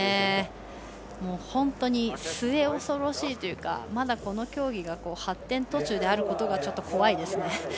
本当に末恐ろしいというかまだこの競技が発展途中であることが怖いですね。